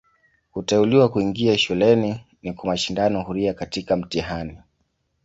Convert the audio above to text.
Kuteuliwa kuingia shuleni ni kwa mashindano huria katika mtihani.